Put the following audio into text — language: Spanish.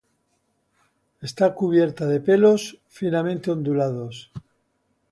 Está cubierta de pelos finamente ondulados.